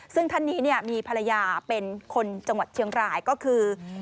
ซึ่งท่านนี้มีภรรยาเป็นคนจังหวัดเชียงรายก็คือ